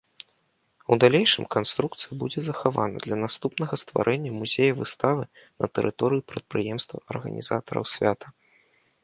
У далейшым канструкцыя будзе захавана для наступнага стварэння музея-выставы на тэрыторыі прадпрыемства арганізатараў свята.